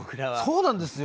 そうなんですよ！